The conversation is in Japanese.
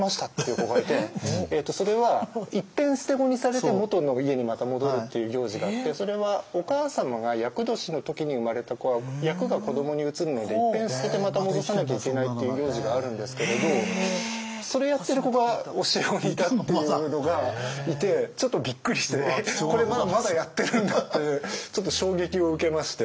それはいっぺん捨て子にされて元の家にまた戻るっていう行事があってそれはお母様が厄年の時に生まれた子は厄が子どもに移るのでいっぺん捨ててまた戻さなきゃいけないっていう行事があるんですけれどそれやってる子が教え子にいたっていうのがいてちょっとびっくりしてこれまだやってるんだってちょっと衝撃を受けまして。